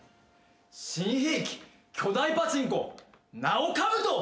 新兵器巨大パチンコ名をカブト！